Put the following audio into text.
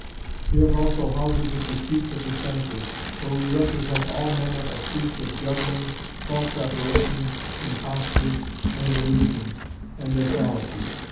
"We have also houses of deceits of the senses; where we represent all manner of feats of juggling, false apparitions, impostures, and illusions; and their fallacies.